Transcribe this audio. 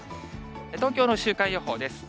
東京の週間予報です。